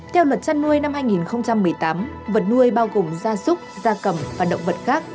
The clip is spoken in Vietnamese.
theo luật chăn nuôi năm hai nghìn một mươi tám vật nuôi bao gồm gia súc gia cầm và động vật khác